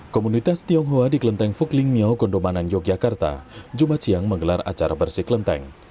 komunitas tionghoa di kelenteng fukling miao kondomanan yogyakarta jumat siang menggelar acara bersih kelenteng